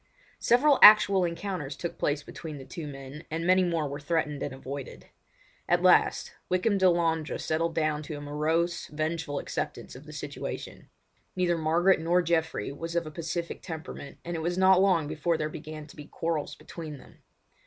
Several actual encounters took place between the two men, and many more were threatened and avoided. At last Wykham Delandre settled down to a morose, vengeful acceptance of the situation. Neither Margaret nor Geoffrey was of a pacific temperament, and it was not long before there began to be quarrels between them.